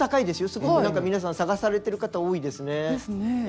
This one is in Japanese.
すごく皆さん探されてる方多いですね。ですね。